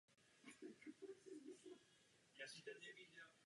Je zde řada oblíbených restaurací.